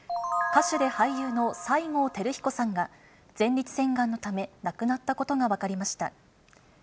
歌手で俳優の西郷輝彦さんが、前立腺がんのため、亡くなったことが分かりました。